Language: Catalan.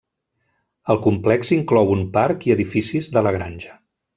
El complex inclou un parc i edificis de la granja.